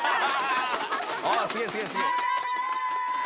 あすげえすげえすげえ！